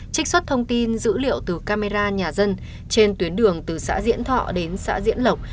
trích xuất thông tin dữ liệu từ camera nhà dân trên tuyến đường từ xã diễn thọ đến xã diễn lộc